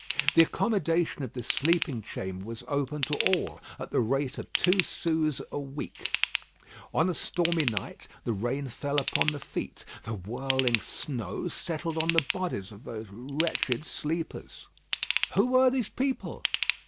The accommodation of this sleeping chamber was open to all, at the rate of two sous a week. On a stormy night the rain fell upon the feet, the whirling snow settled on the bodies of those wretched sleepers. Who were these people?